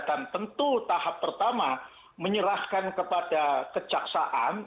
dan tentu tahap pertama menyerahkan kepada kejaksaan